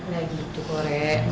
gak gitu kok re